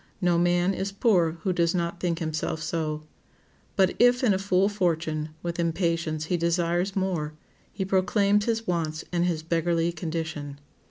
No man is poor who does not think himself so. But if in a full fortune, with impatience he desires more, he proclaims his wants and his beggarly condition.